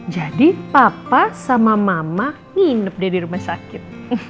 jadi papa sama mama nginep deh di rumah sakit